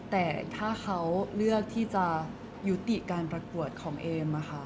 แต่ถ้าเขาเลือกที่จะยุติการประกวดของเอม